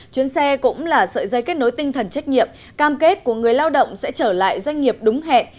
chuyến xe cũng là sợi dây kết nối tinh thần trách nhiệm cam kết của người lao động sẽ trở lại doanh nghiệp đúng hẹn